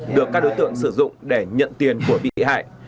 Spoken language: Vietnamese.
được các đối tượng sử dụng để nhận tiền của bị hại